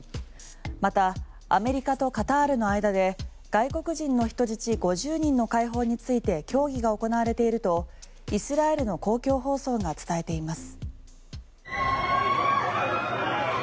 またアメリカとカタールの間で外国人の人質５０人の解放について協議が行われているとイスラエルの公共放送が伝えています。